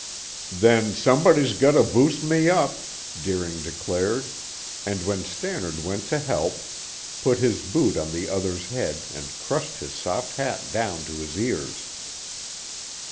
"Then, somebody's got to boost me up," Deering declared, and when Stannard went to help, put his boot on the other's head and crushed his soft hat down to his ears.